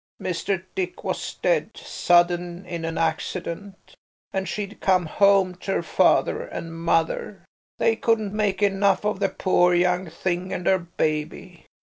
Mr. Dick was dead, sudden in a accident, and she'd come home to her father and mother. They couldn't make enough of the poor young thing and her baby.